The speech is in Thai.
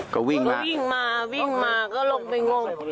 ก็วิ่งแล้ววิ่งมาวิ่งมาก็ลงไปงง